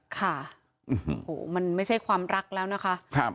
ค่ะโอ้โหมันไม่ใช่ความรักแล้วนะคะ